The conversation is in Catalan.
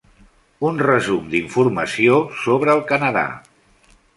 Un resum d'informació sobre el Canadà.